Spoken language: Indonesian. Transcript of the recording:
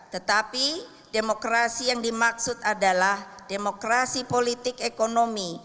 tetapi demokrasi yang dimaksud adalah demokrasi politik ekonomi